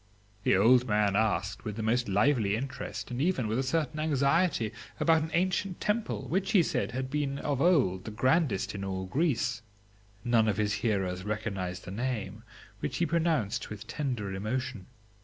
"The old man asked, with the most lively interest, and even with a certain anxiety, about an ancient temple, which, he said, had been of old the grandest in all Greece. None of his hearers recognised the name,, which he pronounced with tender emotion.